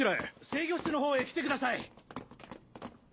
制御室のほうへ来てください。